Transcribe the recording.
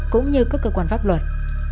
cũng như các cơ quan pháp luật